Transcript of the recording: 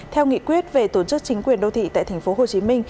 theo nghị quyết về tổ chức chính quyền đô thị tại tp hcm